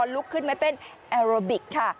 ลุกขึ้นมาเต้นแอโรบิกค่ะ